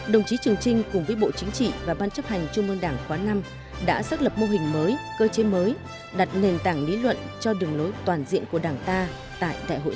đồng chí trường trinh cùng với bộ chính trị và ban chấp hành trung ương đảng khóa năm đã xác lập mô hình mới cơ chế mới đặt nền tảng lý luận cho đường lối toàn diện của đảng ta tại đại hội